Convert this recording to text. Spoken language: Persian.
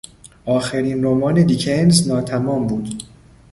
آخرین رمان دیکنز ناتمام بود.